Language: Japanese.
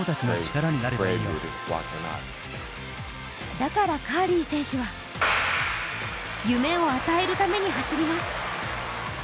だからカーリー選手は、夢を与えるために走ります。